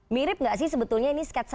mirip nggak sih sebetulnya ini sketsa